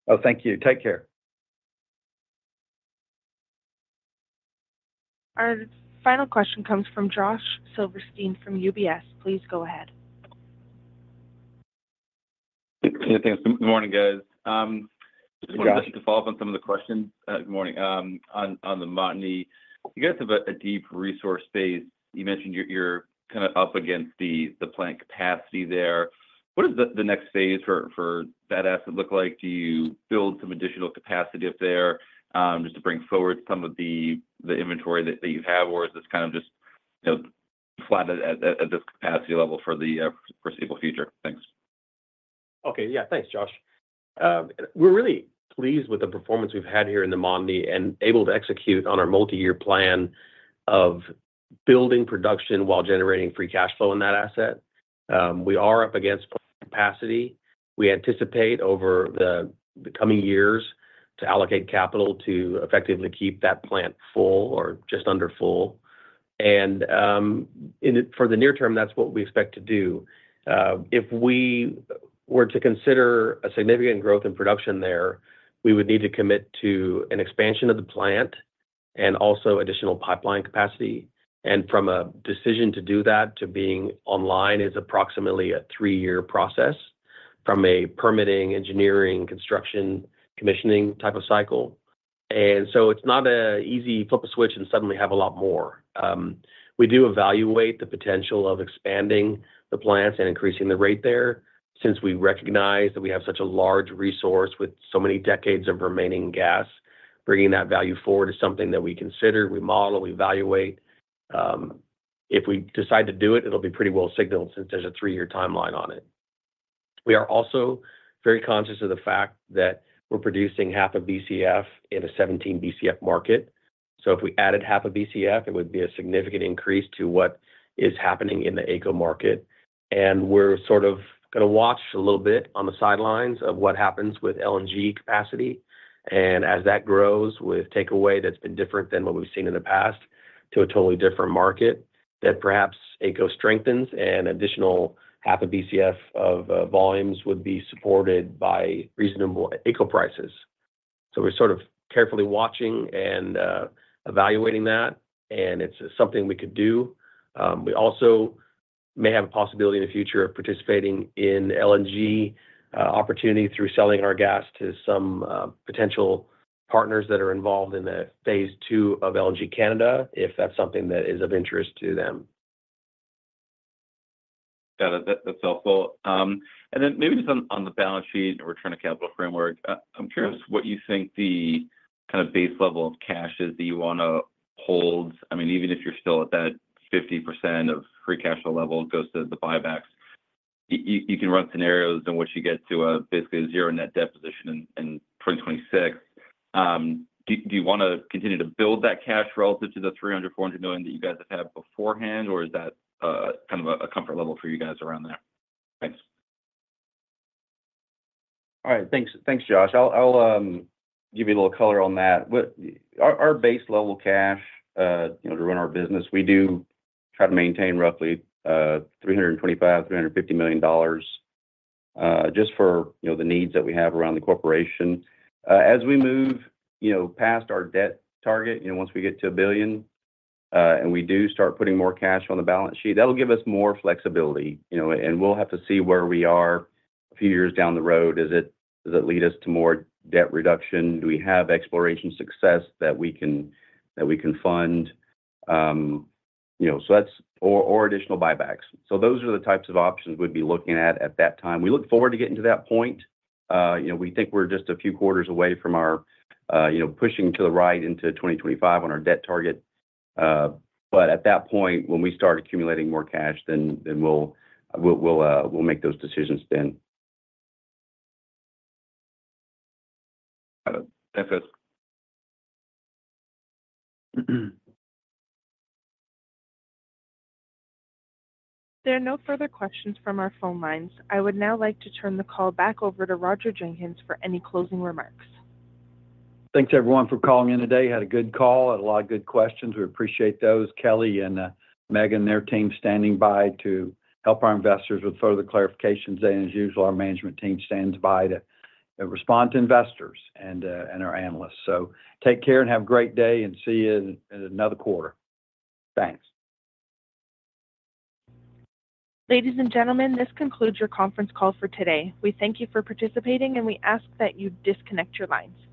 Oh, thank you. Take care. Our final question comes from Josh Silverstein from UBS. Please go ahead. Thanks. Good morning, guys. Good morning. Just wanted to follow up on some of the questions. Good morning. On the Montney, you guys have a deep resource base. You mentioned you're kind of up against the plant capacity there. What does the next phase for that asset look like? Do you build some additional capacity up there, just to bring forward some of the inventory that you have? Or is this kind of just, you know, flat at this capacity level for the foreseeable future? Thanks. Okay. Yeah, thanks, Josh. We're really pleased with the performance we've had here in the Montney and able to execute on our multi-year plan of building production while generating free cash flow in that asset. We are up against capacity. We anticipate over the coming years to allocate capital to effectively keep that plant full or just under full. And, in the for the near term, that's what we expect to do. If we were to consider a significant growth in production there, we would need to commit to an expansion of the plant and also additional pipeline capacity. And from a decision to do that to being online is approximately a three-year process, from a permitting, engineering, construction, commissioning type of cycle. And so it's not an easy flip a switch and suddenly have a lot more. We do evaluate the potential of expanding the plants and increasing the rate there, since we recognize that we have such a large resource with so many decades of remaining gas. Bringing that value forward is something that we consider, we model, we evaluate. If we decide to do it, it'll be pretty well signaled since there's a three-year timeline on it. We are also very conscious of the fact that we're producing half of BCF in a 17 BCF market. So if we added half a BCF, it would be a significant increase to what is happening in the AECO market. And we're sort of gonna watch a little bit on the sidelines of what happens with LNG capacity, and as that grows, with takeaway, that's been different than what we've seen in the past to a totally different market, that perhaps AECO strengthens and additional half a BCF of volumes would be supported by reasonable AECO prices. So we're sort of carefully watching and evaluating that, and it's something we could do. We also may have a possibility in the future of participating in LNG opportunity through selling our gas to some potential partners that are involved in the phase II of LNG Canada, if that's something that is of interest to them. Got it. That, that's helpful. And then maybe just on the balance sheet and return of capital framework, I'm curious what you think the kind of base level of cash is that you want to hold. I mean, even if you're still at that 50% of free cash flow level goes to the buybacks, you can run scenarios in which you get to basically a zero net debt position in 2026. Do you want to continue to build that cash relative to the $300 million-$400 million that you guys have had beforehand, or is that kind of a comfort level for you guys around there? Thanks. All right. Thanks, thanks, Josh. I'll give you a little color on that. What our base level cash, you know, to run our business, we do try to maintain roughly $325 million-$350 million, just for, you know, the needs that we have around the corporation. As we move, you know, past our debt target, you know, once we get to $1 billion, and we do start putting more cash on the balance sheet, that will give us more flexibility, you know, and we'll have to see where we are a few years down the road. Does it lead us to more debt reduction? Do we have exploration success that we can fund? You know, so that's or additional buybacks. So those are the types of options we'd be looking at at that time. We look forward to getting to that point. You know, we think we're just a few quarters away from our, you know, pushing to the right into 2025 on our debt target. But at that point, when we start accumulating more cash, then we'll make those decisions then. Got it. Thanks. There are no further questions from our phone lines. I would now like to turn the call back over to Roger Jenkins for any closing remarks. Thanks, everyone, for calling in today. Had a good call and a lot of good questions. We appreciate those. Kelly and Megan, their team standing by to help our investors with further clarifications. And as usual, our management team stands by to respond to investors and our analysts. So take care and have a great day, and see you in another quarter. Thanks. Ladies and gentlemen, this concludes your conference call for today. We thank you for participating, and we ask that you disconnect your lines.